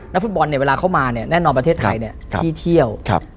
นักฟุตบอลเวลาเข้ามาแน่นอนประเทศไทยที่เที่ยว